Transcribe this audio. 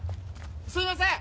すいません！